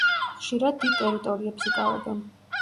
ხშირად დიდ ტერიტორიებს იკავებენ.